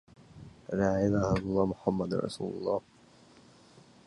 Despite these handicaps, he created tremendous havoc in the enemy ranks.